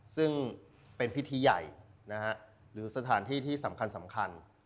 ซึ่งเป็นพิธีใหญ่หรือสถานที่สำคัญ